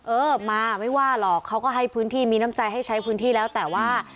เออมาไม่ว่าหรอกเขาก็ให้พื้นที่มีน้ำใจให้ใช้พื้นที่แล้วแต่ว่า